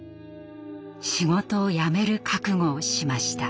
仕事を辞める覚悟をしました。